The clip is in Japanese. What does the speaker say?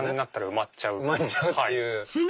埋まっちゃうっていう。